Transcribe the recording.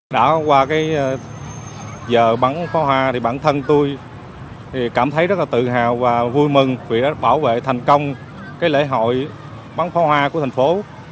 tại giờ bắn phá hoa thì bản thân tôi cảm thấy rất là tự hào và vui mừng vì đã bảo vệ thành công lễ hội bắn phá hoa của thành phố